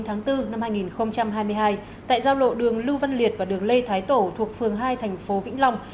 trong đường lưu văn liên giao lộ đường lưu văn liên và đường lê thái tổ thuộc phường hai tp vĩnh long